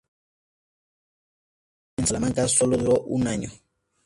Su primera estancia en Salamanca solo duró un año.